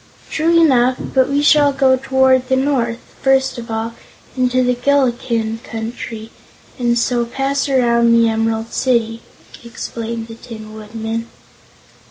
"True enough; but we shall go toward the north, first of all, into the Gillikin Country, and so pass around the Emerald City," explained the Tin Woodman.